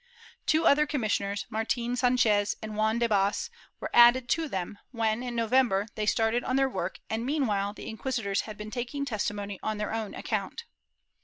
Two other commissioners — Martin Sanchez and Juan de Bas — were added to them when, in November, they started on their work, and meanwhile the inquisitors had been taking testimony on their own account.